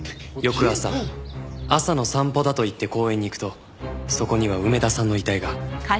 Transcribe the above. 翌朝朝の散歩だと言って公園に行くとそこには梅田さんの遺体が。